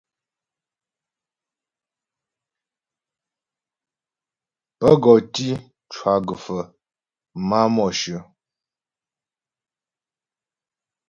Pə́ gɔ tǐ cwa gə́fə máa Mǒshyə.